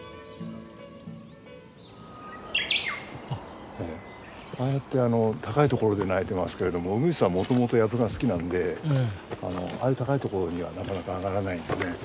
ああやって高いところで鳴いてますけれどもうぐいすはもともとやぶが好きなんでああいう高いところにはなかなか上がらないんですね。